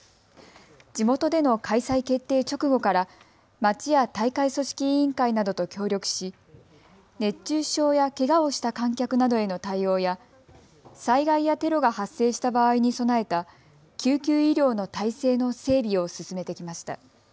地元での開催決定直後から町や大会組織委員会などと協力し、熱中症やけがをした観客などへの対応や災害やテロが発生した場合に備えた救急医療の態勢の整備を進めてきました。